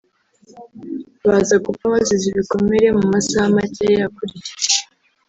baza gupfa bazize ibikomere mu masaha makeya yakurikiye